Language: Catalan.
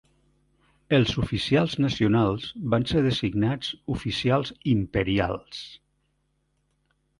Els oficials nacionals van ser designats oficials "imperials".